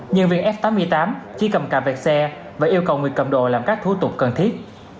nhân viên f tám mươi tám chỉ cầm cà vẹt xe và yêu cầu người cầm đồ làm các thủ tục cần thiết